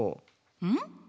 うん？